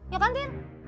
ya kan tin